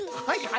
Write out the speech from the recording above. はい。